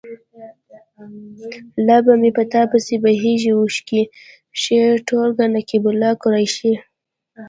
لا به مې تا پسې بهیږي اوښکې. شعري ټولګه. نقيب احمد قریشي.